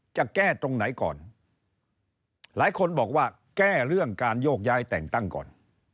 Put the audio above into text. จะแก้ตรงไหนก่อนหลายคนบอกว่าแก้เรื่องการโยกย้ายแต่งตั้งก่อน